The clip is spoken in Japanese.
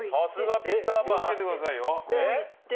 気を付けてくださいよ。